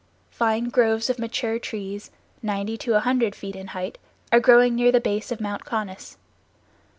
Fine groves of mature trees, ninety to a hundred feet in height, are growing near the base of Mount Conness.